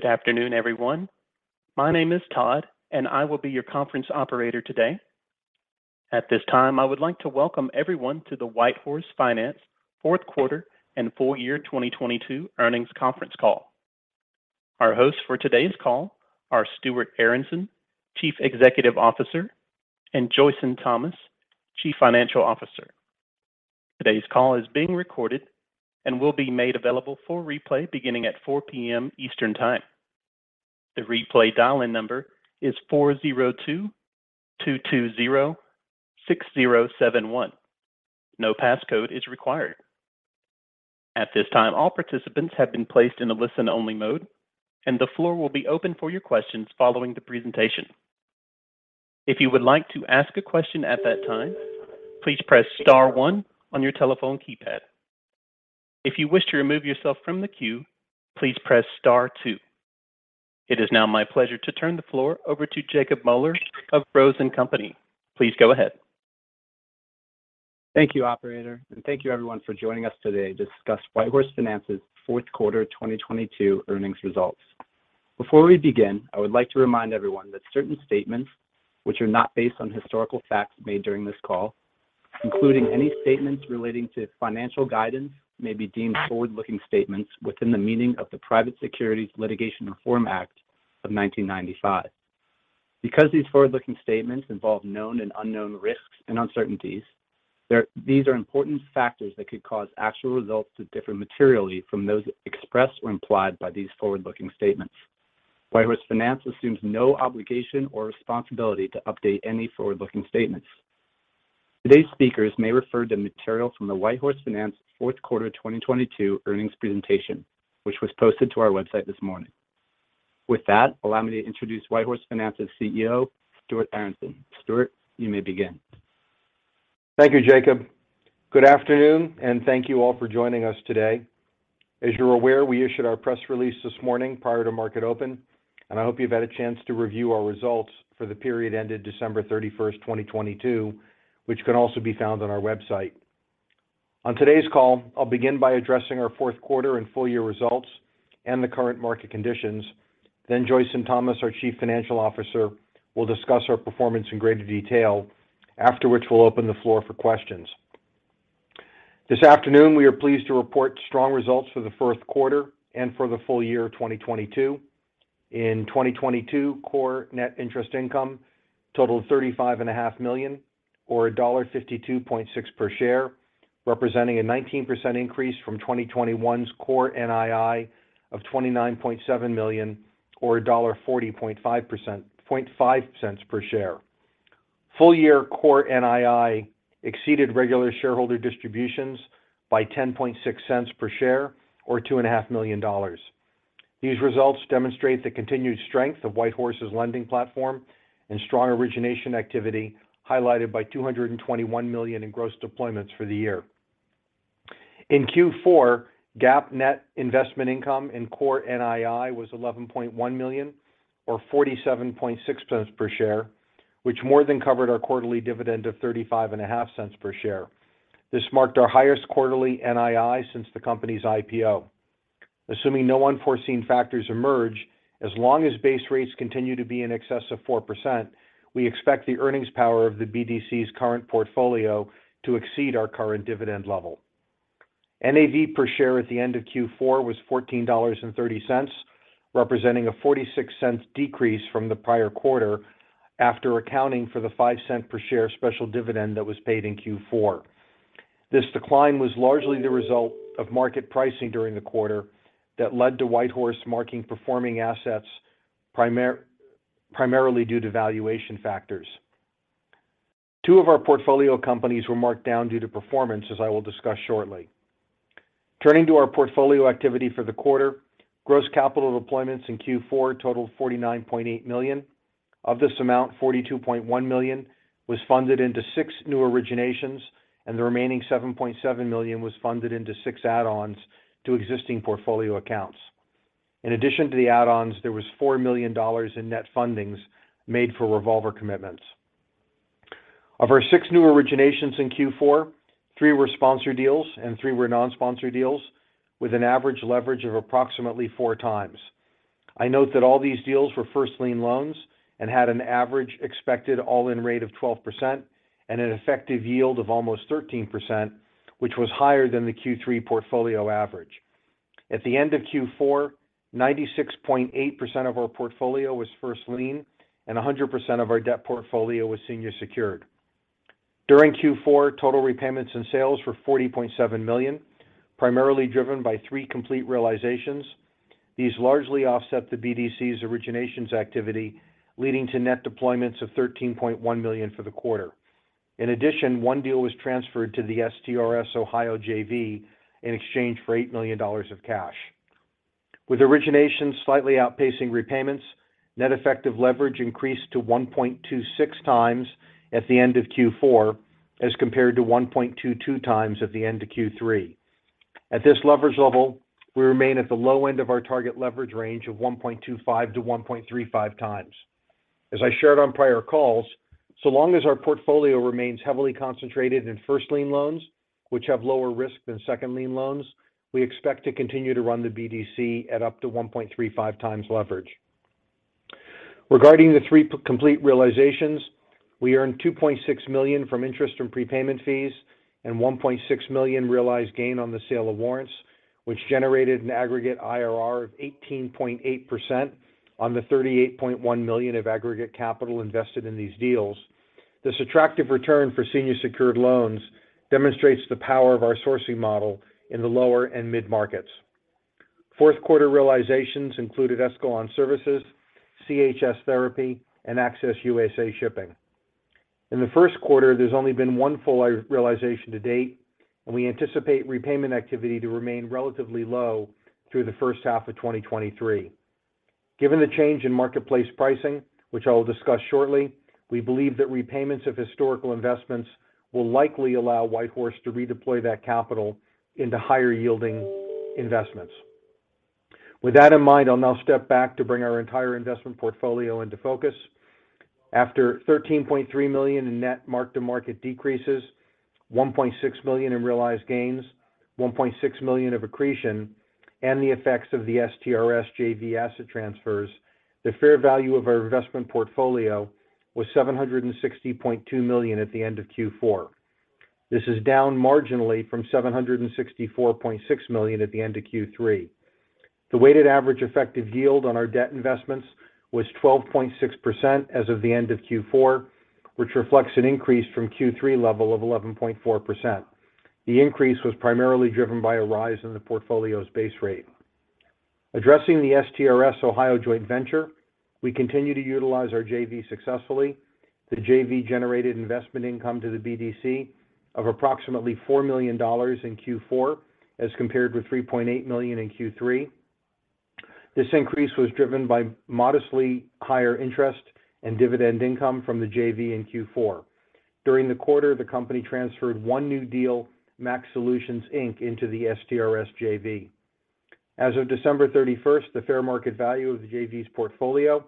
Good afternoon, everyone. My name is Todd, and I will be your conference operator today. At this time, I would like to welcome everyone to the WhiteHorse Finance fourth quarter and full year 2022 earnings conference call. Our hosts for today's call are Stuart Aronson, Chief Executive Officer, and Joyson Thomas, Chief Financial Officer. Today's call is being recorded and will be made available for replay beginning at 4:00 P.M. Eastern Time. The replay dial-in number is 402-220-6071. No passcode is required. At this time, all participants have been placed in a listen-only mode, and the floor will be open for your questions following the presentation. If you would like to ask a question at that time, please press star one on your telephone keypad. If you wish to remove yourself from the queue, please press star two. It is now my pleasure to turn the floor over to Jacob Moeller of Rose & Company. Please go ahead. Thank you, operator. Thank you everyone for joining us today to discuss WhiteHorse Finance's fourth quarter 2022 earnings results. Before we begin, I would like to remind everyone that certain statements which are not based on historical facts made during this call, including any statements relating to financial guidance, may be deemed forward-looking statements within the meaning of the Private Securities Litigation Reform Act of 1995. These forward-looking statements involve known and unknown risks and uncertainties, these are important factors that could cause actual results to differ materially from those expressed or implied by these forward-looking statements. WhiteHorse Finance assumes no obligation or responsibility to update any forward-looking statements. Today's speakers may refer to material from the WhiteHorse Finance fourth quarter 2022 earnings presentation, which was posted to our website this morning. With that, allow me to introduce WhiteHorse Finance's CEO, Stuart Aronson. Stuart, you may begin. Thank you, Jacob. Good afternoon, thank you all for joining us today. As you're aware, we issued our press release this morning prior to market open, I hope you've had a chance to review our results for the period ended December 31st, 2022, which can also be found on our website. On today's call, I'll begin by addressing our fourth quarter and full year results and the current market conditions. Joyson Thomas, our Chief Financial Officer, will discuss our performance in greater detail. Afterwards, we'll open the floor for questions. This afternoon, we are pleased to report strong results for the fourth quarter and for the full year of 2022. In 2022, core net interest income totaled $35.5 million or $1.526 per share, representing a 19% increase from 2021's core NII of $29.7 million or $1.405 per share. Full year core NII exceeded regular shareholder distributions by $0.106 per share or $2.5 million. These results demonstrate the continued strength of WhiteHorse's lending platform and strong origination activity, highlighted by $221 million in gross deployments for the year. In Q4, GAAP net investment income and core NII was $11.1 million or $0.476 per share, which more than covered our quarterly dividend of $0.355 per share. This marked our highest quarterly NII since the company's IPO. Assuming no unforeseen factors emerge, as long as base rates continue to be in excess of 4%, we expect the earnings power of the BDC's current portfolio to exceed our current dividend level. NAV per share at the end of Q4 was $14.30, representing a $0.46 decrease from the prior quarter after accounting for the $0.05 per share special dividend that was paid in Q4. This decline was largely the result of market pricing during the quarter that led to WhiteHorse marking performing assets primarily due to valuation factors. Two of our portfolio companies were marked down due to performance, as I will discuss shortly. Turning to our portfolio activity for the quarter, gross capital deployments in Q4 totaled $49.8 million. Of this amount, $42.1 million was funded into six new originations, and the remaining $7.7 million was funded into six add-ons to existing portfolio accounts. In addition to the add-ons, there was $4 million in net fundings made for revolver commitments. Of our six new originations in Q4, three were sponsored deals and three were non-sponsored deals with an average leverage of approximately 4x. I note that all these deals were first lien loans and had an average expected all-in rate of 12% and an effective yield of almost 13%, which was higher than the Q3 portfolio average. At the end of Q4, 96.8% of our portfolio was first lien and 100% of our debt portfolio was senior secured. During Q4, total repayments and sales were $40.7 million, primarily driven by three complete realizations. These largely offset the BDC's originations activity, leading to net deployments of $13.1 million for the quarter. In addition, one deal was transferred to the STRS Ohio JV in exchange for $8 million of cash. With originations slightly outpacing repayments, net effective leverage increased to 1.26x at the end of Q4 as compared to 1.22x at the end of Q3. At this leverage level, we remain at the low end of our target leverage range of 1.25x-1.35x. As I shared on prior calls, so long as our portfolio remains heavily concentrated in first lien loans, which have lower risk than second lien loans, we expect to continue to run the BDC at up to 1.35x leverage. Regarding the three complete realizations, we earned $2.6 million from interest and prepayment fees and $1.6 million realized gain on the sale of warrants, which generated an aggregate IRR of 18.8% on the $38.1 million of aggregate capital invested in these deals. This attractive return for senior secured loans demonstrates the power of our sourcing model in the lower and mid-markets. Fourth quarter realizations included Escalon Services, CHS Therapy, and Access U.S.A. Shipping. In the first quarter, there's only been one full realization to date, and we anticipate repayment activity to remain relatively low through the first half of 2023. Given the change in marketplace pricing, which I will discuss shortly, we believe that repayments of historical investments will likely allow WhiteHorse to redeploy that capital into higher-yielding investments. With that in mind, I'll now step back to bring our entire investment portfolio into focus. After $13.3 million in net mark-to-market decreases, $1.6 million in realized gains, $1.6 million of accretion, and the effects of the STRS JV asset transfers, the fair value of our investment portfolio was $760.2 million at the end of Q4. This is down marginally from $764.6 million at the end of Q3. The weighted average effective yield on our debt investments was 12.6% as of the end of Q4, which reflects an increase from Q3 level of 11.4%. The increase was primarily driven by a rise in the portfolio's base rate. Addressing the STRS Ohio joint venture, we continue to utilize our JV successfully. The JV generated investment income to the BDC of approximately $4 million in Q4 as compared with $3.8 million in Q3. This increase was driven by modestly higher interest and dividend income from the JV in Q4. During the quarter, the company transferred one new deal, Max Solutions Inc., into the STRS JV. As of December 31st, the fair market value of the JV's portfolio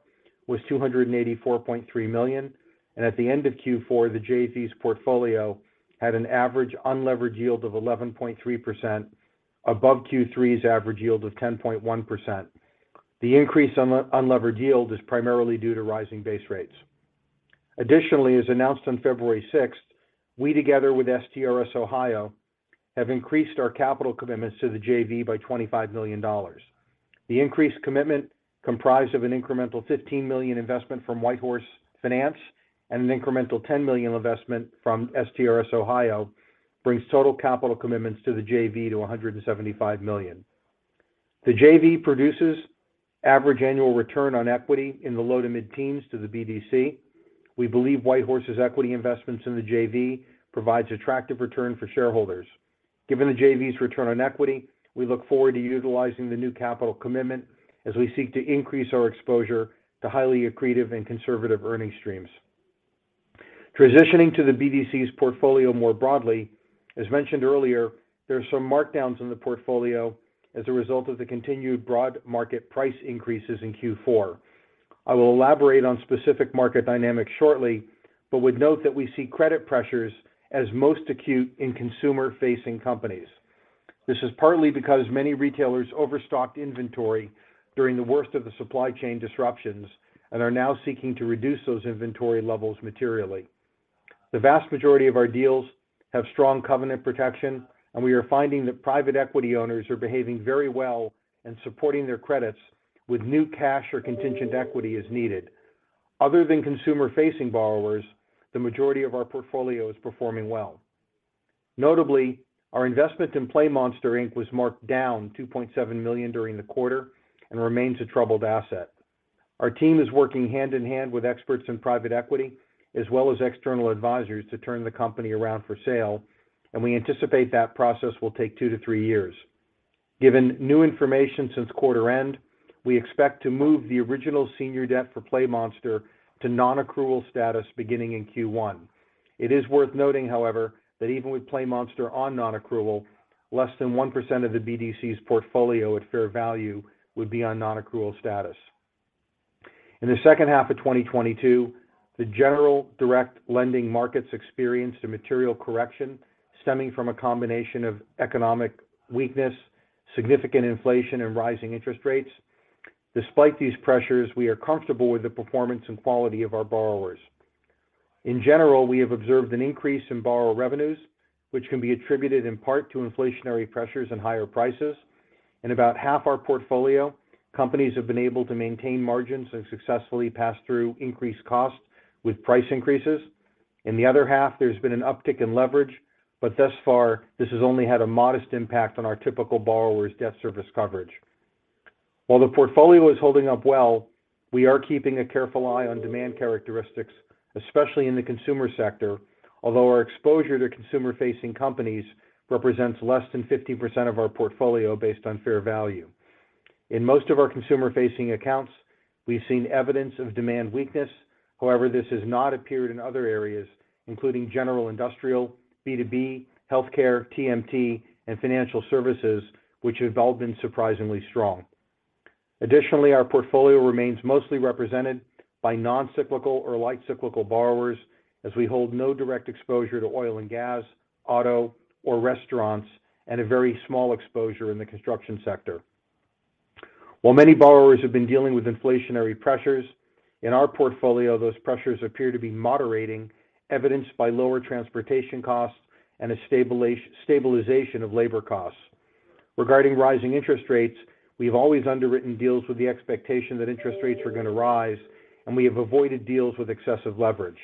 was $284.3 million, and at the end of Q4, the JV's portfolio had an average unlevered yield of 11.3% above Q3's average yield of 10.1%. The increase in unlevered yield is primarily due to rising base rates. Additionally, as announced on February 6th, we together with STRS Ohio have increased our capital commitments to the JV by $25 million. The increased commitment, comprised of an incremental $15 million investment from WhiteHorse Finance and an incremental $10 million investment from STRS Ohio, brings total capital commitments to the JV to $175 million. The JV produces average annual return on equity in the low to mid-teens to the BDC. We believe WhiteHorse's equity investments in the JV provides attractive return for shareholders. Given the JV's return on equity, we look forward to utilizing the new capital commitment as we seek to increase our exposure to highly accretive and conservative earning streams. Transitioning to the BDC's portfolio more broadly, as mentioned earlier, there are some markdowns in the portfolio as a result of the continued broad market price increases in Q4. I will elaborate on specific market dynamics shortly, but would note that we see credit pressures as most acute in consumer-facing companies. This is partly because many retailers overstocked inventory during the worst of the supply chain disruptions and are now seeking to reduce those inventory levels materially. The vast majority of our deals have strong covenant protection, and we are finding that private equity owners are behaving very well and supporting their credits with new cash or contingent equity as needed. Other than consumer-facing borrowers, the majority of our portfolio is performing well. Notably, our investment in PlayMonster Inc. was marked down $2.7 million during the quarter and remains a troubled asset. Our team is working hand-in-hand with experts in private equity as well as external advisors to turn the company around for sale, and we anticipate that process will take two-three years. Given new information since quarter end, we expect to move the original senior debt for PlayMonster to non-accrual status beginning in Q1. It is worth noting, however, that even with PlayMonster on non-accrual, less than 1% of the BDC's portfolio at fair value would be on non-accrual status. In the second half of 2022, the general direct lending markets experienced a material correction stemming from a combination of economic weakness, significant inflation, and rising interest rates. Despite these pressures, we are comfortable with the performance and quality of our borrowers. In general, we have observed an increase in borrower revenues, which can be attributed in part to inflationary pressures and higher prices. In about half our portfolio, companies have been able to maintain margins and successfully pass through increased costs with price increases. In the other half, there's been an uptick in leverage, thus far, this has only had a modest impact on our typical borrower's debt service coverage. While the portfolio is holding up well, we are keeping a careful eye on demand characteristics, especially in the consumer sector, although our exposure to consumer-facing companies represents less than 50% of our portfolio based on fair value. In most of our consumer-facing accounts, we've seen evidence of demand weakness. However, this has not appeared in other areas, including general industrial, B2B, healthcare, TMT, and financial services, which have all been surprisingly strong. Additionally, our portfolio remains mostly represented by non-cyclical or light cyclical borrowers as we hold no direct exposure to oil and gas, auto or restaurants, and a very small exposure in the construction sector. While many borrowers have been dealing with inflationary pressures, in our portfolio, those pressures appear to be moderating, evidenced by lower transportation costs and a stabilization of labor costs. Regarding rising interest rates, we've always underwritten deals with the expectation that interest rates were gonna rise. We have avoided deals with excessive leverage.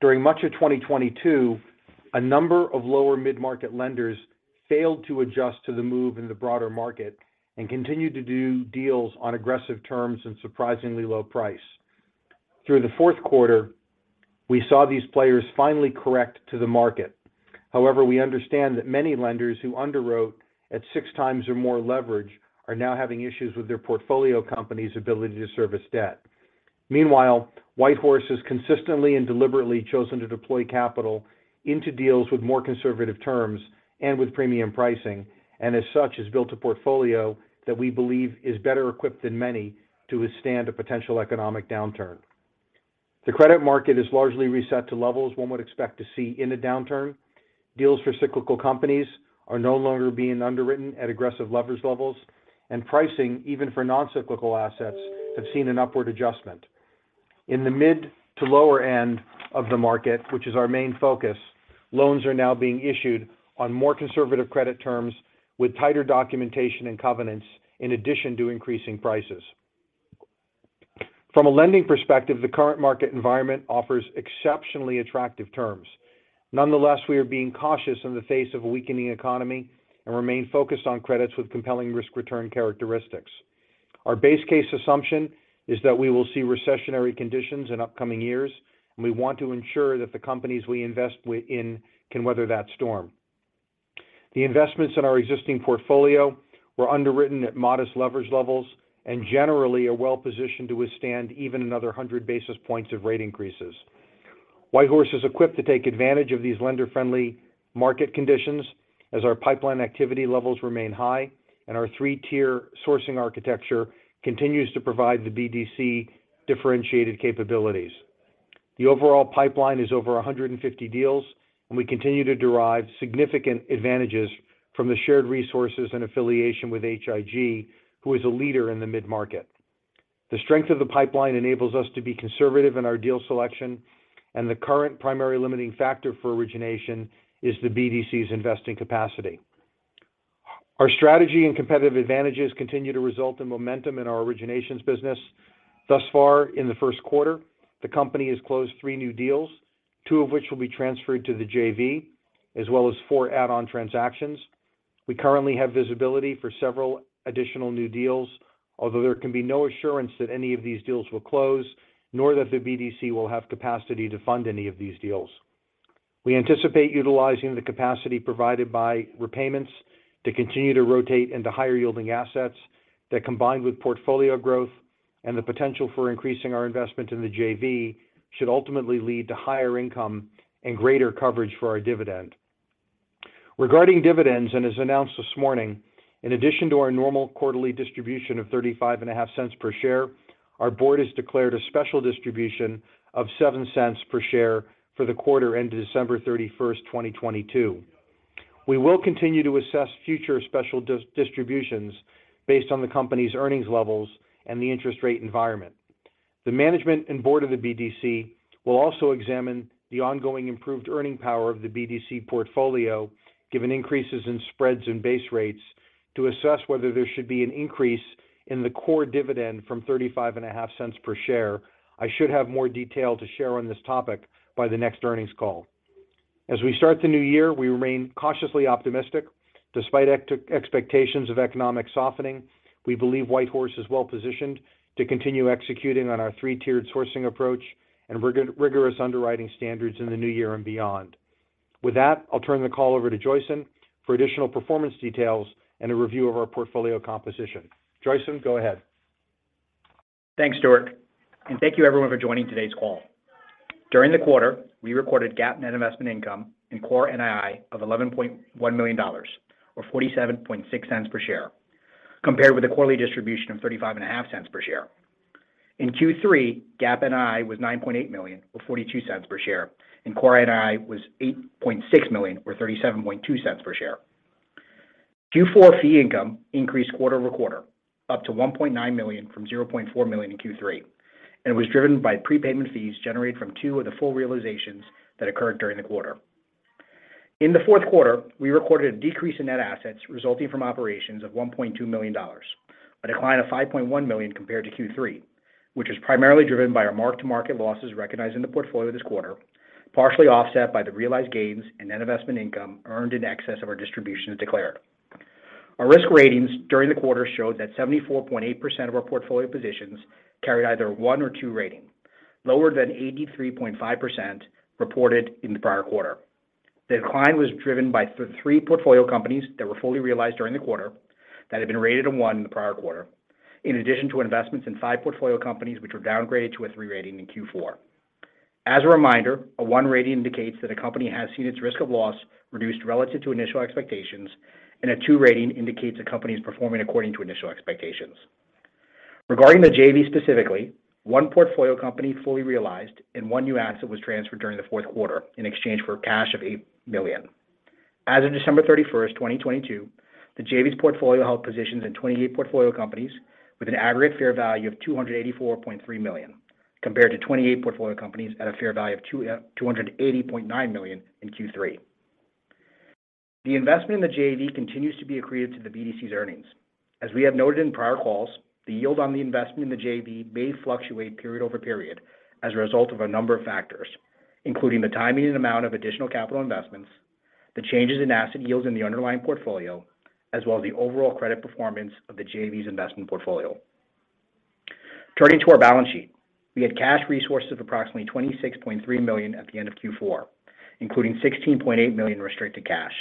During much of 2022, a number of lower mid-market lenders failed to adjust to the move in the broader market and continued to do deals on aggressive terms and surprisingly low price. Through the fourth quarter, we saw these players finally correct to the market. However, we understand that many lenders who underwrote at 6 times or more leverage are now having issues with their portfolio companies' ability to service debt. Meanwhile, WhiteHorse has consistently and deliberately chosen to deploy capital into deals with more conservative terms and with premium pricing, and as such, has built a portfolio that we believe is better equipped than many to withstand a potential economic downturn. The credit market is largely reset to levels one would expect to see in a downturn. Deals for cyclical companies are no longer being underwritten at aggressive leverage levels, and pricing, even for non-cyclical assets, have seen an upward adjustment. In the mid to lower end of the market, which is our main focus, loans are now being issued on more conservative credit terms with tighter documentation and covenants in addition to increasing prices. From a lending perspective, the current market environment offers exceptionally attractive terms. Nonetheless, we are being cautious in the face of a weakening economy and remain focused on credits with compelling risk-return characteristics. Our base case assumption is that we will see recessionary conditions in upcoming years, and we want to ensure that the companies we invest in can weather that storm. The investments in our existing portfolio were underwritten at modest leverage levels and generally are well-positioned to withstand even another 100 basis points of rate increases. WhiteHorse is equipped to take advantage of these lender-friendly market conditions as our pipeline activity levels remain high and our three-tier sourcing architecture continues to provide the BDC differentiated capabilities. The overall pipeline is over 150 deals. We continue to derive significant advantages from the shared resources and affiliation with H.I.G., who is a leader in the mid-market. The strength of the pipeline enables us to be conservative in our deal selection. The current primary limiting factor for origination is the BDC's investing capacity. Our strategy and competitive advantages continue to result in momentum in our originations business. Thus far in the first quarter, the company has closed three new deals, two of which will be transferred to the JV, as well as four add-on transactions. We currently have visibility for several additional new deals, although there can be no assurance that any of these deals will close, nor that the BDC will have capacity to fund any of these deals. We anticipate utilizing the capacity provided by repayments to continue to rotate into higher-yielding assets that, combined with portfolio growth and the potential for increasing our investment in the JV, should ultimately lead to higher income and greater coverage for our dividend. Regarding dividends, as announced this morning, in addition to our normal quarterly distribution of thirty-five and a half cents per share, our Board has declared a special distribution of $0.07 per share for the quarter ended December 31st, 2022. We will continue to assess future special distributions based on the company's earnings levels and the interest rate environment. The management and board of the BDC will also examine the ongoing improved earning power of the BDC portfolio, given increases in spreads and base rates, to assess whether there should be an increase in the core dividend from $0.355 per share. I should have more detail to share on this topic by the next earnings call. As we start the new year, we remain cautiously optimistic. Despite expectations of economic softening, we believe WhiteHorse is well-positioned to continue executing on our three-tiered sourcing approach and rigorous underwriting standards in the new year and beyond. With that, I'll turn the call over to Joyson for additional performance details and a review of our portfolio composition. Joyson, go ahead. Thanks, Stuart. Thank you everyone for joining today's call. During the quarter, we recorded GAAP net investment income and core NII of $11.1 million or $0.476 per share, compared with a quarterly distribution of $0.355 per share. In Q3, GAAP NII was $9.8 million or $0.42 per share, and core NII was $8.6 million or $0.372 per share. Q4 fee income increased quarter-over-quarter, up to $1.9 million from $0.4 million in Q3, and was driven by prepayment fees generated from two of the full realizations that occurred during the quarter. In the fourth quarter, we recorded a decrease in net assets resulting from operations of $1.2 million, a decline of $5.1 million compared to Q3, which was primarily driven by our mark-to-market losses recognized in the portfolio this quarter, partially offset by the realized gains and net investment income earned in excess of our distributions declared. Our risk ratings during the quarter showed that 74.8% of our portfolio positions carried either one or two rating, lower than 83.5% reported in the prior quarter. The decline was driven by three portfolio companies that were fully realized during the quarter that had been rated a one in the prior quarter, in addition to investments in five portfolio companies which were downgraded to a three rating in Q4. As a reminder, a one rating indicates that a company has seen its risk of loss reduced relative to initial expectations, and a two rating indicates a company is performing according to initial expectations. Regarding the JV specifically, one portfolio company fully realized and one new asset was transferred during the fourth quarter in exchange for cash of $8 million. As of December 31st, 2022, the JV's portfolio held positions in 28 portfolio companies with an aggregate fair value of $284.3 million, compared to 28 portfolio companies at a fair value of $280.9 million in Q3. The investment in the JV continues to be accreted to the BDC's earnings. As we have noted in prior calls, the yield on the investment in the JV may fluctuate period over period as a result of a number of factors, including the timing and amount of additional capital investments, the changes in asset yields in the underlying portfolio, as well as the overall credit performance of the JV's investment portfolio. Turning to our balance sheet. We had cash resources of approximately $26.3 million at the end of Q4, including $16.8 million restricted cash.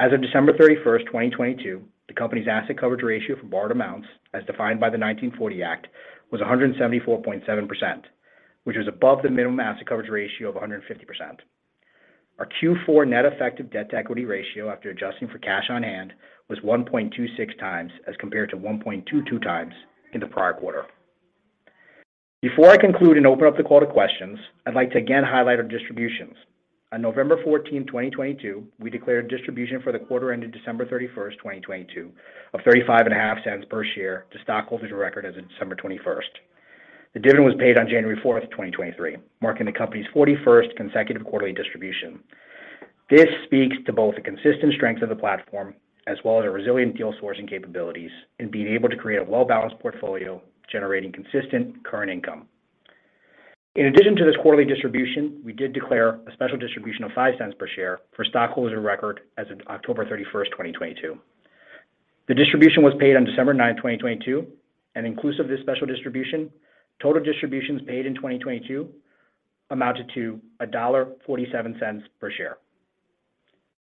As of December 31st, 2022, the company's asset coverage ratio for borrowed amounts, as defined by the 1940 Act, was 174.7%, which is above the minimum asset coverage ratio of 150%. Our Q4 net effective debt to equity ratio after adjusting for cash on hand was 1.26x as compared to 1.22x in the prior quarter. Before I conclude and open up the call to questions, I'd like to again highlight our distributions. On November 14, 2022, we declared distribution for the quarter ending December 31st, 2022 of $ thirty-five and a half cents per share to stockholders of record as of December 21st. The dividend was paid on January 4th, 2023, marking the company's 41st consecutive quarterly distribution. This speaks to both the consistent strength of the platform as well as our resilient deal sourcing capabilities in being able to create a well-balanced portfolio generating consistent current income. In addition to this quarterly distribution, we did declare a special distribution of $0.05 per share for stockholders of record as of October 31st, 2022. The distribution was paid on December 9th, 2022. Inclusive of this special distribution, total distributions paid in 2022 amounted to $1.47 per share.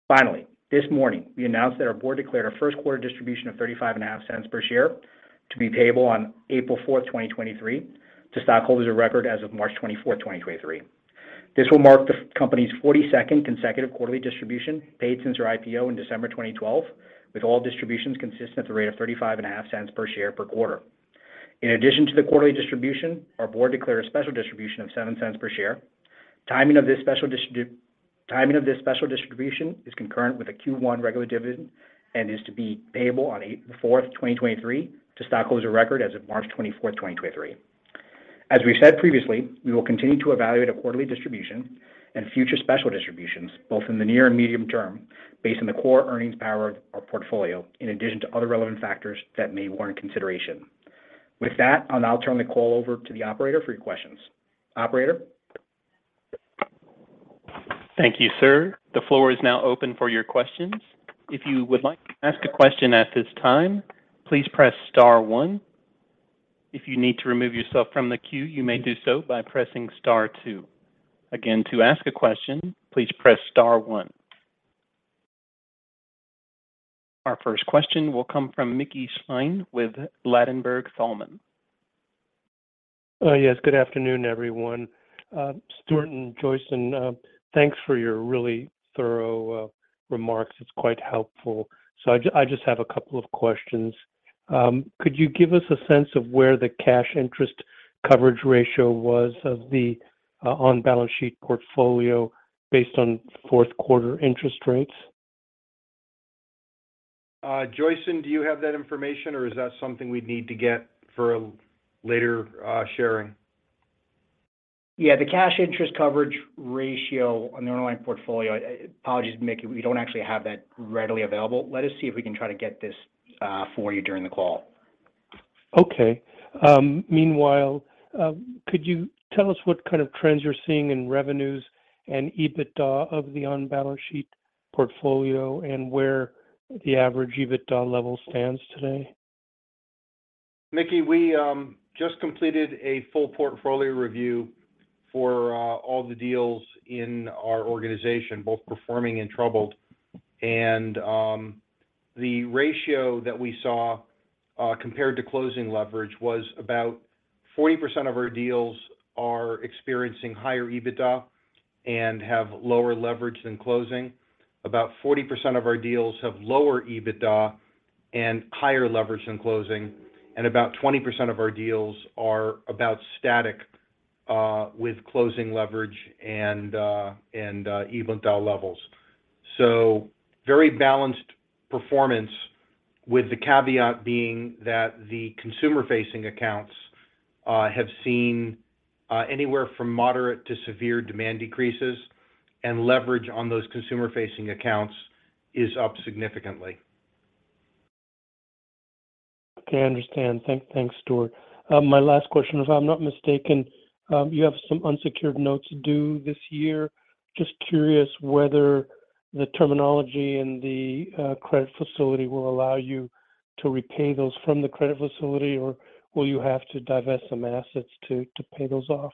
Finally, this morning we announced that our board declared our first quarter distribution of $0.355 per share to be payable on April 4th, 2023 to stockholders of record as of March 24th, 2023. This will mark the company's 42nd consecutive quarterly distribution paid since our IPO in December 2012, with all distributions consistent at the rate of $0.355 per share per quarter. In addition to the quarterly distribution, our board declared a special distribution of $0.07 per share. Timing of this special distribution is concurrent with the Q1 regular dividend and is to be payable on April 4th, 2023 to stockholders of record as of March 24th, 2023. As we've said previously, we will continue to evaluate a quarterly distribution and future special distributions both in the near and medium term based on the core earnings power of our portfolio, in addition to other relevant factors that may warrant consideration. With that, I'll now turn the call over to the operator for your questions. Operator? Thank you, sir. The floor is now open for your questions. If you would like to ask a question at this time, please press star one. If you need to remove yourself from the queue, you may do so by pressing star two. Again, to ask a question, please press star one. Our first question will come from Mickey Schleien with Ladenburg Thalmann. Yes. Good afternoon, everyone. Stuart and Joyson, thanks for your really thorough remarks. It's quite helpful. I just have a couple of questions. Could you give us a sense of where the cash interest coverage ratio was of the on-balance-sheet portfolio based on fourth quarter interest rates? Joyson, do you have that information or is that something we'd need to get for a later sharing? The cash interest coverage ratio on the underlying portfolio... Apologies, Mickey, we don't actually have that readily available. Let us see if we can try to get this for you during the call. Okay. Meanwhile, could you tell us what kind of trends you're seeing in revenues and EBITDA of the on-balance-sheet portfolio and where the average EBITDA level stands today? Mickey, we just completed a full portfolio review for all the deals in our organization, both performing and troubled. The ratio that we saw compared to closing leverage was about 40% of our deals are experiencing higher EBITDA and have lower leverage than closing. About 40% of our deals have lower EBITDA and higher leverage than closing, and about 20% of our deals are about static with closing leverage and EBITDA levels. Very balanced performance with the caveat being that the consumer-facing accounts have seen anywhere from moderate to severe demand decreases and leverage on those consumer-facing accounts is up significantly. Okay, I understand. Thanks, Stuart. My last question. If I'm not mistaken, you have some unsecured notes due this year. Just curious whether the terminology and the credit facility will allow you to repay those from the credit facility or will you have to divest some assets to pay those off?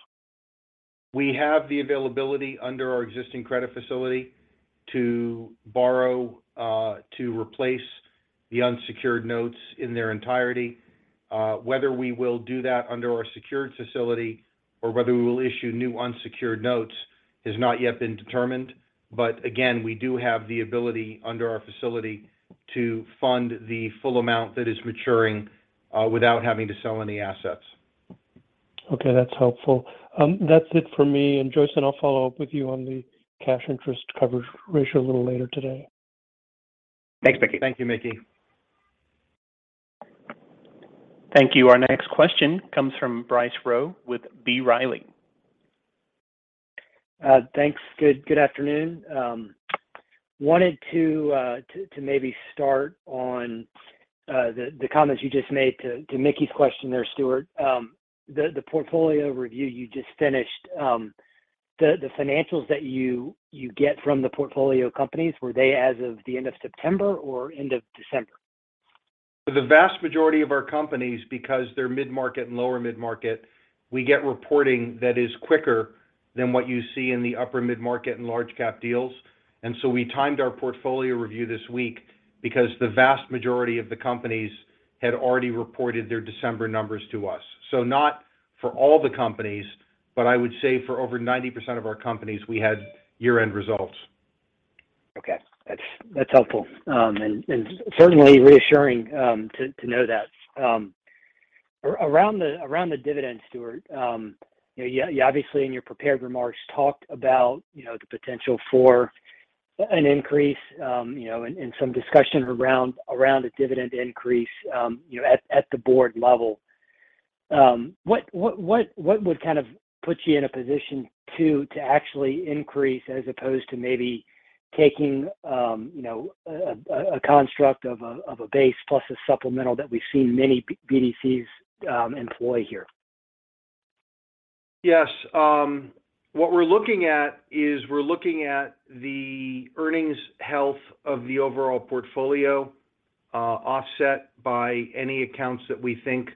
We have the availability under our existing credit facility to borrow to replace The unsecured notes in their entirety. Whether we will do that under our secured facility or whether we will issue new unsecured notes has not yet been determined. Again, we do have the ability under our facility to fund the full amount that is maturing, without having to sell any assets. Okay, that's helpful. That's it for me. Joyson, I'll follow up with you on the cash interest coverage ratio a little later today. Thanks, Mickey. Thank you, Mickey. Thank you. Our next question comes from Bryce Rowe with B. Riley. Thanks. Good afternoon. wanted to maybe start on the comments you just made to Mickey's question there, Stuart. the portfolio review you just finished, the financials that you get from the portfolio companies, were they as of the end of September or end of December? The vast majority of our companies, because they're mid-market and lower mid-market, we get reporting that is quicker than what you see in the upper mid-market and large cap deals. We timed our portfolio review this week because the vast majority of the companies had already reported their December numbers to us. Not for all the companies, but I would say for over 90% of our companies, we had year-end results. Okay. That's helpful. And certainly reassuring to know that. Around the dividend, Stuart, you know, you obviously in your prepared remarks talked about, you know, the potential for an increase, you know, and some discussion around a dividend increase, you know, at the board level. What would kind of put you in a position to actually increase as opposed to maybe taking, you know, a construct of a base plus a supplemental that we've seen many BDCs employ here? Yes. What we're looking at is we're looking at the earnings health of the overall portfolio, offset by any accounts that we think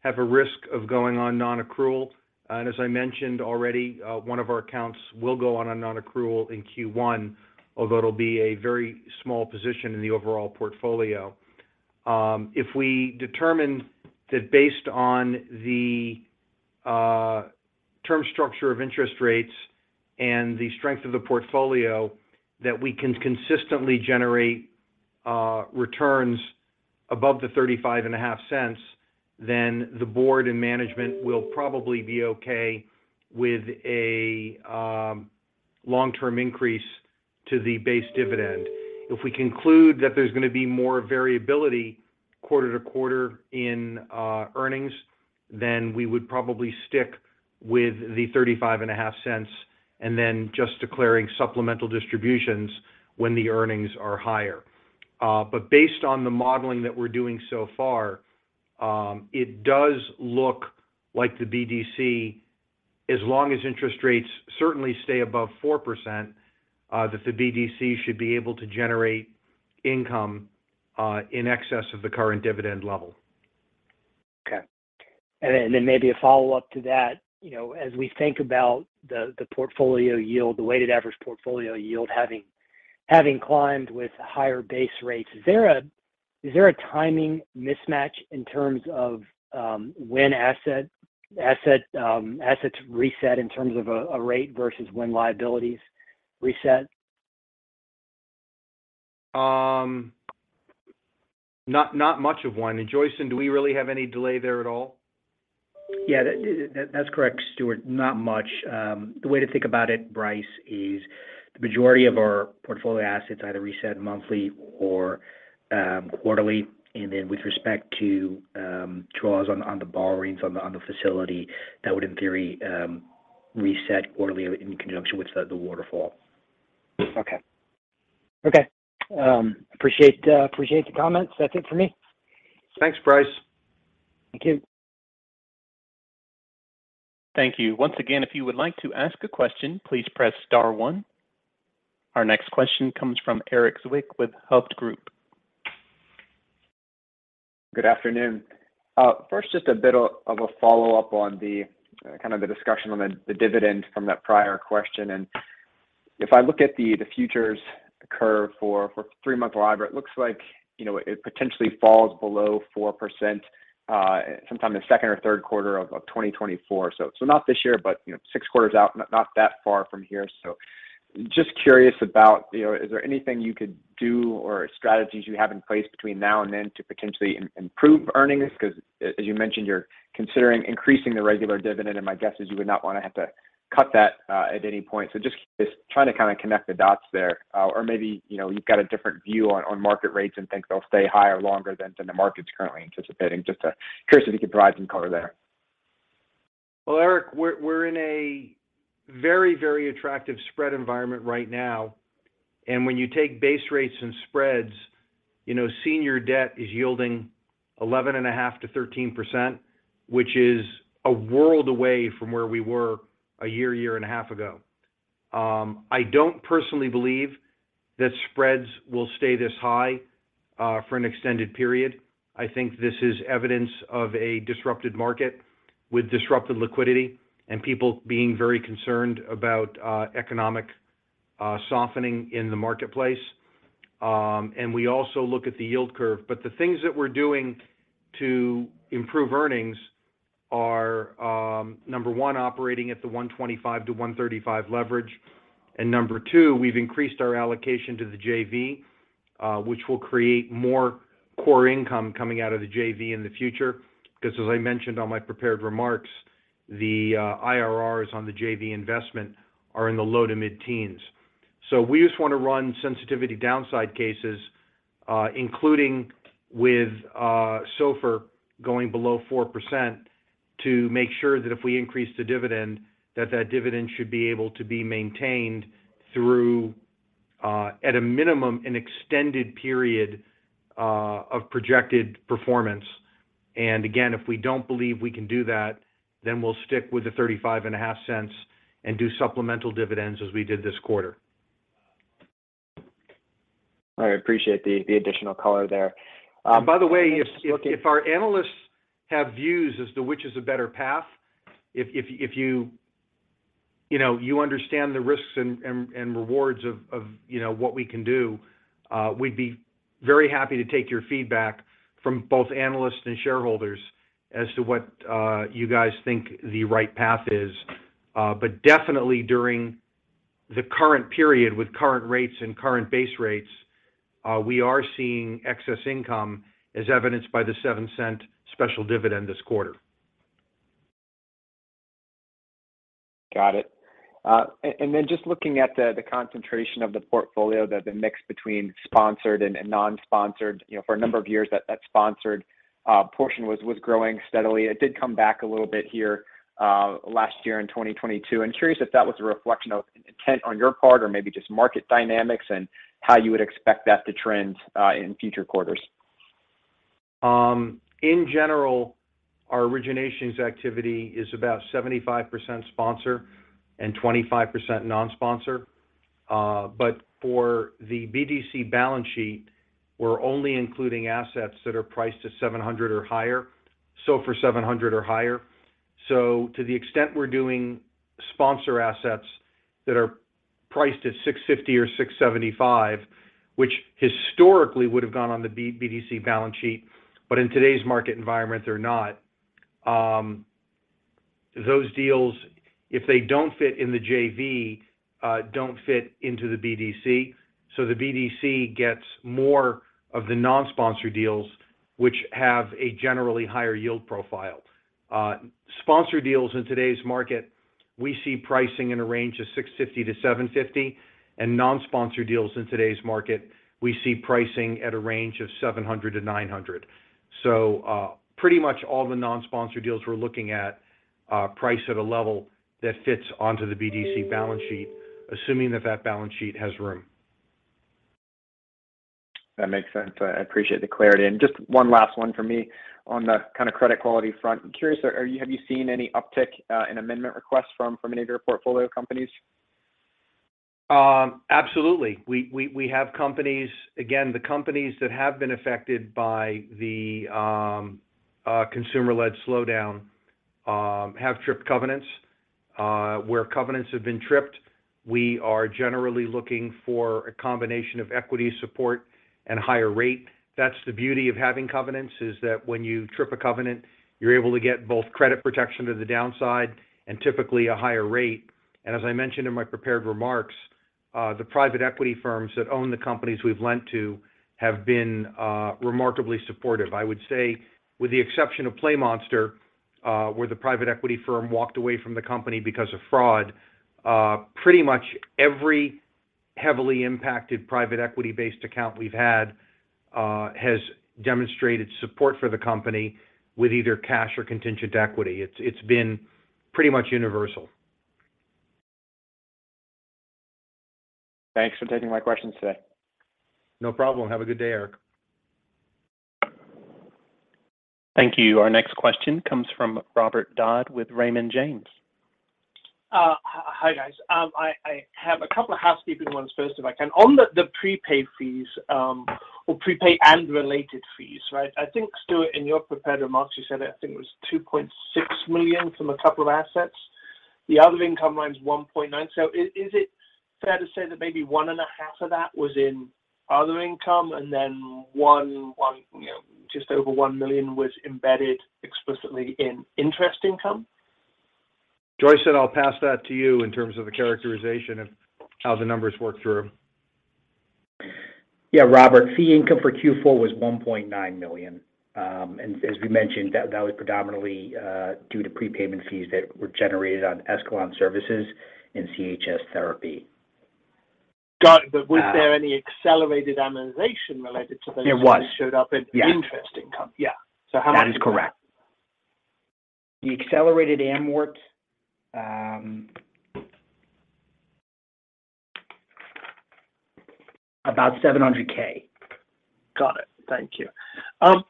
have a risk of going on non-accrual. As I mentioned already, one of our accounts will go on a non-accrual in Q1, although it'll be a very small position in the overall portfolio. If we determine that based on the term structure of interest rates and the strength of the portfolio that we can consistently generate returns above the thirty-five and a half cents, then the board and management will probably be okay with a long-term increase to the base dividend. If we conclude that there's gonna be more variability quarter to quarter in earnings, then we would probably stick with the thirty-five and a half cents, and then just declaring supplemental distributions when the earnings are higher. Based on the modeling that we're doing so far, it does look like the BDC, as long as interest rates certainly stay above 4%, that the BDC should be able to generate income in excess of the current dividend level. Okay. Then maybe a follow-up to that. You know, as we think about the portfolio yield, the weighted average portfolio yield having climbed with higher base rates, is there a timing mismatch in terms of when assets reset in terms of a rate versus when liabilities reset? Not much of one. Joyson, do we really have any delay there at all? Yeah. That's correct, Stuart. Not much. The way to think about it, Bryce, is the majority of our portfolio assets either reset monthly or quarterly. Then with respect to draws on the borrowings on the facility, that would in theory reset quarterly in conjunction with the waterfall. Okay. Okay. Appreciate the comments. That's it for me. Thanks, Bryce. Thank you. Thank you. Once again, if you would like to ask a question, please press star one. Our next question comes from Erik Zwick with Hovde Group. Good afternoon. First, just a bit of a follow-up on the kind of the discussion on the dividend from that prior question. If I look at the futures curve for three-month LIBOR, it looks like, you know, it potentially falls below 4%, sometime in the second or third quarter of 2024. Not this year, but, you know, six quarters out, not that far from here. Just curious about, you know, is there anything you could do or strategies you have in place between now and then to potentially improve earnings? Because as you mentioned, you're considering increasing the regular dividend, and my guess is you would not wanna have to cut that at any point. Just trying to kind of connect the dots there. Maybe, you know, you've got a different view on market rates and think they'll stay higher longer than the market's currently anticipating. Just curious if you could provide some color there. Well, Erik, we're in a very, very attractive spread environment right now. When you take base rates and spreads, you know, senior debt is yielding 11.5%-13%, which is a world away from where we were a year and a half ago. I don't personally believe that spreads will stay this high for an extended period. I think this is evidence of a disrupted market with disrupted liquidity and people being very concerned about economic softening in the marketplace. We also look at the yield curve. The things that we're doing to improve earnings are, number one, operating at the 1.25-1.35 leverage, and number two, we've increased our allocation to the JV, which will create more core income coming out of the JV in the future. As I mentioned on my prepared remarks, the IRRs on the JV investment are in the low to mid-teens. We just wanna run sensitivity downside cases, including with SOFR going below 4% to make sure that if we increase the dividend, that that dividend should be able to be maintained through at a minimum, an extended period of projected performance. Again, if we don't believe we can do that, then we'll stick with the $0.355 and do supplemental dividends as we did this quarter. I appreciate the additional color there. By the way, if our analysts have views as to which is a better path, if you know, you understand the risks and rewards of you know, what we can do, we'd be very happy to take your feedback from both analysts and shareholders as to what you guys think the right path is. Definitely during the current period with current rates and current base rates, we are seeing excess income as evidenced by the $0.07 special dividend this quarter. Got it. Just looking at the concentration of the portfolio, the mix between sponsored and non-sponsored, you know, for a number of years that sponsored portion was growing steadily. It did come back a little bit here last year in 2022. I'm curious if that was a reflection of intent on your part or maybe just market dynamics, and how you would expect that to trend in future quarters. In general, our originations activity is about 75% sponsor and 25% non-sponsor. But for the BDC balance sheet, we're only including assets that are priced at 700 or higher, SOFR 700 or higher. To the extent we're doing sponsor assets that are priced at 650 or 675, which historically would have gone on the BDC balance sheet, but in today's market environment they're not, those deals, if they don't fit in the JV, don't fit into the BDC. The BDC gets more of the non-sponsor deals, which have a generally higher yield profile. Sponsor deals in today's market, we see pricing in a range of 650-750, and non-sponsor deals in today's market, we see pricing at a range of 700-900. Pretty much all the non-sponsor deals we're looking at are priced at a level that fits onto the BDC balance sheet, assuming that that balance sheet has room. That makes sense. I appreciate the clarity. Just one last one from me on the kind of credit quality front. I'm curious, have you seen any uptick in amendment requests from any of your portfolio companies? Absolutely. We have companies. Again, the companies that have been affected by the consumer-led slowdown have tripped covenants. Where covenants have been tripped, we are generally looking for a combination of equity support and higher rate. That's the beauty of having covenants, is that when you trip a covenant, you're able to get both credit protection to the downside and typically a higher rate. As I mentioned in my prepared remarks, the private equity firms that own the companies we've lent to have been remarkably supportive. I would say with the exception of PlayMonster, where the private equity firm walked away from the company because of fraud, pretty much every heavily impacted private equity-based account we've had, has demonstrated support for the company with either cash or contingent equity. It's been pretty much universal. Thanks for taking my questions today. No problem. Have a good day, Erik. Thank you. Our next question comes from Robert Dodd with Raymond James. Hi, guys. I have a couple of housekeeping ones first, if I can. On the prepaid fees, or prepaid and related fees, right, I think, Stuart, in your prepared remarks, you said I think it was $2.6 million from a couple of assets. The other income line is $1.9 million. Is it fair to say that maybe one and a half of that was in other income and then one, you know, just over $1 million was embedded explicitly in interest income? Joyson I'll pass that to you in terms of the characterization of how the numbers work through. Yeah, Robert, fee income for Q4 was $1.9 million. As we mentioned, that was predominantly due to prepayment fees that were generated on Escalon Services and CHS Therapy. Got it. Was there any accelerated amortization related to those... There was that showed up. Yeah... interest income? Yeah. How much? That is correct. The accelerated amort, about $700K. Got it. Thank you. On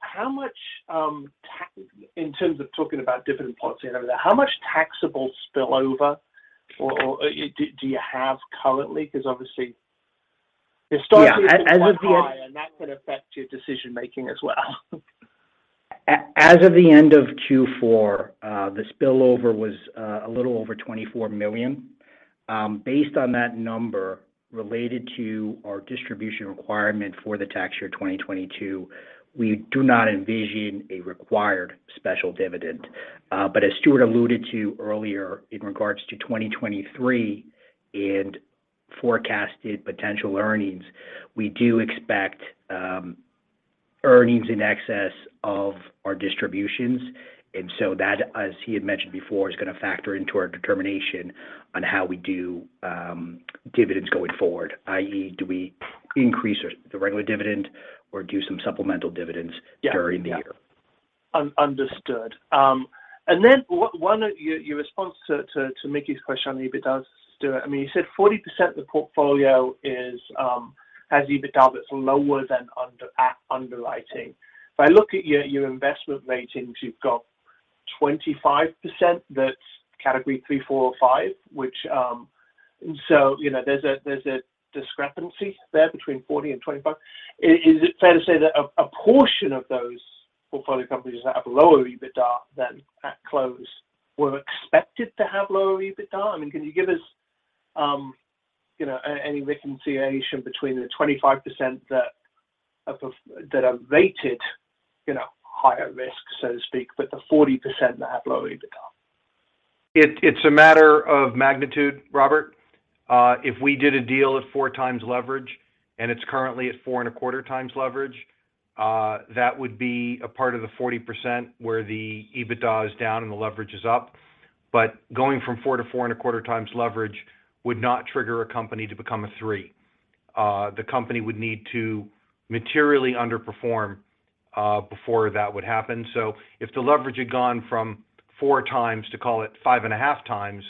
how much, in terms of talking about dividend policy and everything, how much taxable spillover or do you have currently? Because obviously, it starts as quite high, and that could affect your decision-making as well. As of the end of Q4, the spillover was a little over $24 million. Based on that number related to our distribution requirement for the tax year 2022, we do not envision a required special dividend. As Stuart alluded to earlier in regards to 2023 and forecasted potential earnings, we do expect earnings in excess of our distributions. That, as he had mentioned before, is gonna factor into our determination on how we do dividends going forward, i.e., do we increase the regular dividend or do some supplemental dividends. Yeah. Yeah. during the year. one of your response to Mickey's question on EBITDAs, Stuart, I mean, you said 40% of the portfolio is has EBITDAs that's lower than under at underwriting. If I look at your investment ratings, you've got 25% that's category three, four, or five, which. You know, there's a discrepancy there between 40 and 25. Is it fair to say that a portion of those portfolio companies that have lower EBITDA than at close were expected to have lower EBITDA? I mean, can you give us, you know, any reconciliation between the 25% that are rated, you know, higher risk, so to speak, but the 40% that have lower EBITDA? It's a matter of magnitude, Robert. If we did a deal at four times leverage, and it's currently at four and a quarter times leverage, that would be a part of the 40% where the EBITDA is down and the leverage is up. Going from four to four and a quarter times leverage would not trigger a company to become a three. The company would need to materially underperform before that would happen. If the leverage had gone from four times to, call it, five and a half times,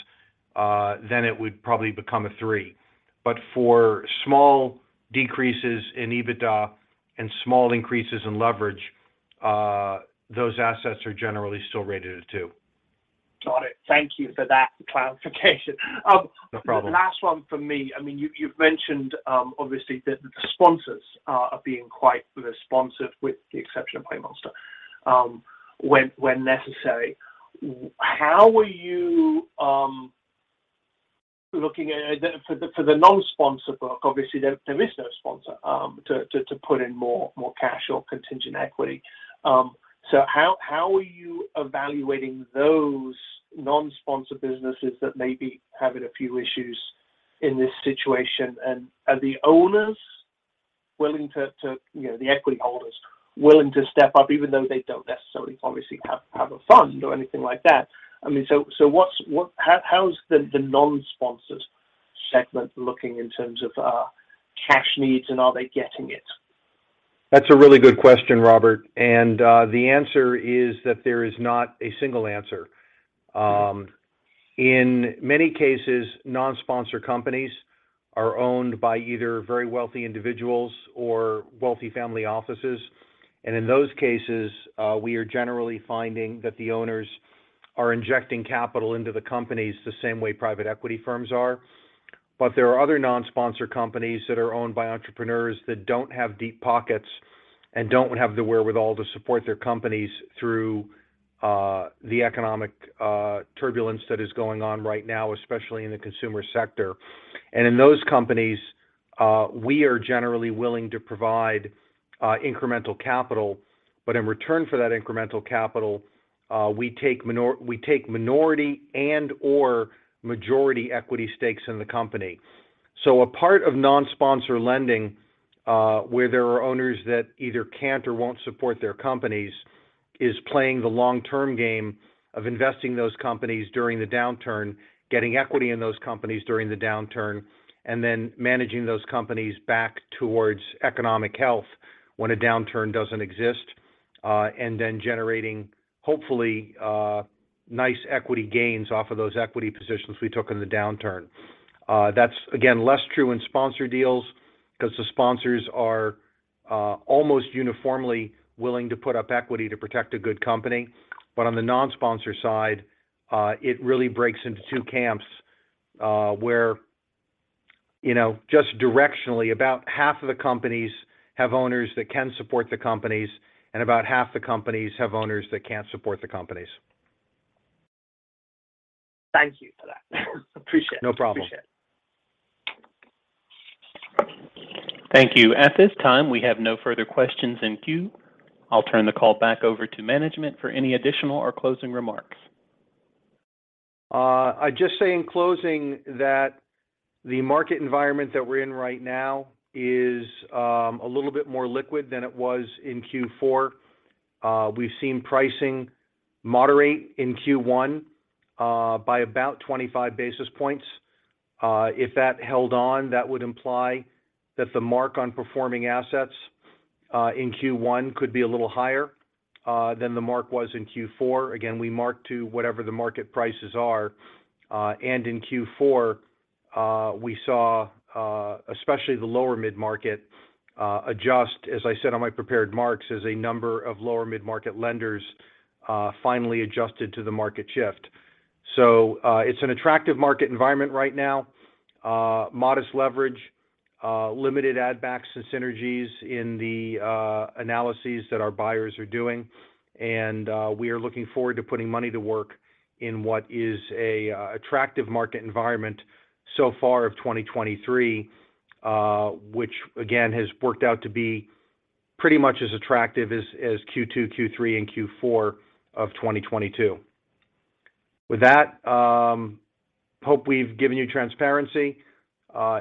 then it would probably become a three. For small decreases in EBITDA and small increases in leverage, those assets are generally still rated a two. Got it. Thank Thank you for that clarification. No problem. The last one from me. I mean, you've mentioned, obviously that the sponsors are being quite responsive, with the exception of PlayMonster, when necessary. How are you looking at the for the non-sponsor book? Obviously, there is no sponsor to put in more cash or contingent equity. So how are you evaluating those non-sponsor businesses that may be having a few issues in this situation? Are the owners willing to, you know, the equity holders, willing to step up even though they don't necessarily obviously have a fund or anything like that? I mean, so what's how's the non-sponsors segment looking in terms of cash needs, and are they getting it? That's a really good question, Robert. The answer is that there is not a single answer. In many cases, non-sponsor companies are owned by either very wealthy individuals or wealthy family offices. In those cases, we are generally finding that the owners are injecting capital into the companies the same way private equity firms are. There are other non-sponsor companies that are owned by entrepreneurs that don't have deep pockets and don't have the wherewithal to support their companies through the economic turbulence that is going on right now, especially in the consumer sector. In those companies, we are generally willing to provide incremental capital. In return for that incremental capital, we take minority and/or majority equity stakes in the company. A part of non-sponsor lending, where there are owners that either can't or won't support their companies, is playing the long-term game of investing those companies during the downturn, getting equity in those companies during the downturn, and then managing those companies back towards economic health when a downturn doesn't exist, and then generating, hopefully, nice equity gains off of those equity positions we took in the downturn. That's again, less true in sponsor deals because the sponsors are almost uniformly willing to put up equity to protect a good company. On the non-sponsor side, it really breaks into two camps, where, you know, just directionally, about half of the companies have owners that can support the companies, and about half the companies have owners that can't support the companies. Thank you for that. Appreciate it. No problem. Appreciate it. Thank you. At this time, we have no further questions in queue. I'll turn the call back over to management for any additional or closing remarks. I'd justusay in closing that the market environment that we're in right now is a little bit more liquid than it was in Q4. We've seen pricing moderate in Q1 by about 25 basis points. If that held on, that would imply that the mark on performing assets in Q1 could be a little higher than the mark was in Q4. Again, we mark to whatever the market prices are. And in Q4, we saw especially the lower mid-market adjust, as I said on my prepared marks, as a number of lower mid-market lenders finally adjusted to the market shift. It's an attractive market environment right now. Modest leverage, limited add backs and synergies in the analyses that our buyers are doing. We are looking forward to putting money to work in what is a, attractive market environment so far of 2023, which again, has worked out to be pretty much as attractive as Q2, Q3, and Q4 of 2022. With that, hope we've given you transparency.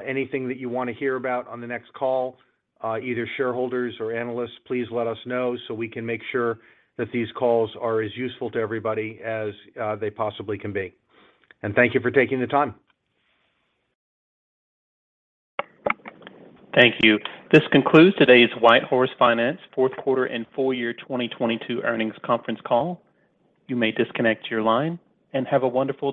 Anything that you wanna hear about on the next call, either shareholders or analysts, please let us know so we can make sure that these calls are as useful to everybody as, they possibly can be. Thank you for taking the time. Thank you. This concludes today's WhiteHorse Finance fourth quarter and full year 2022 earnings conference call. You may disconnect your line and have a wonderful day.